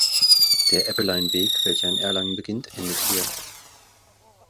Der Eppelein-Weg, welcher in Erlangen beginnt, endet hier.